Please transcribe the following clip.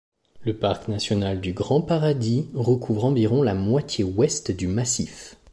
Le parc national du Grand Paradis recouvre environ la moitié ouest du massif.